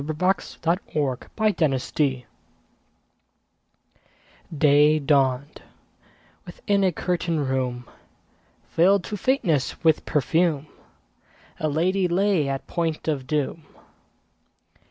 Y Z History of a Life DAY dawned: within a curtained room, Filled to faintness with perfume, A lady lay at point of doom.